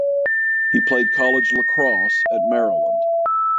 He played college lacrosse at Maryland.